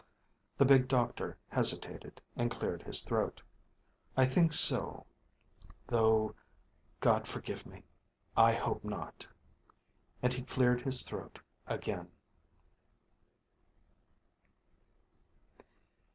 The big doctor hesitated, and cleared his throat. "I think so; though God forgive me I hope not." And he cleared his throat again.